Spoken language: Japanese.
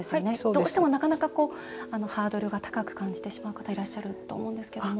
どうしても、なかなかハードルが高く感じてしまう方いらっしゃると思うんですけども。